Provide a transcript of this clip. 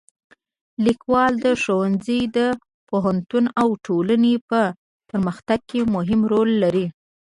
لیکوالی د ښوونځي، پوهنتون او ټولنې په پرمختګ کې مهم رول لري.